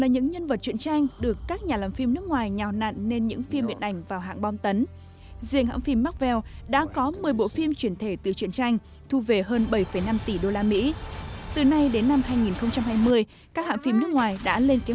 hãy đăng ký kênh để ủng hộ kênh của chúng mình nhé